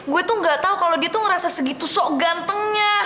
gue tuh gak tau kalau dia tuh ngerasa segitu sok gantengnya